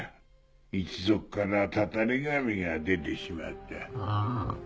一族からタタリ神が出てしまった。